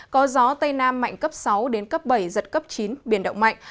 có gió tây nam mạnh cấp sáu đến cấp bảy giật cấp chín biển động mạnh